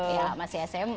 iya masih sma